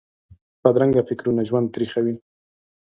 بدرنګه فکرونه ژوند تریخوي